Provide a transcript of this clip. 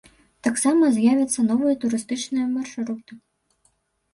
Таксама з'явяцца новыя турыстычныя маршруты.